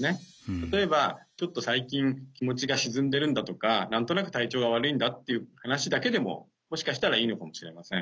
たとえばちょっと最近気持ちがしずんでるんだとか何となく体調が悪いんだっていう話だけでももしかしたらいいのかもしれません。